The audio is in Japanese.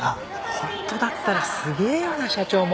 本当だったらすげえよな社長も。